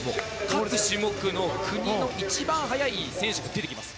各種目の国の一番速い選手が出てきます。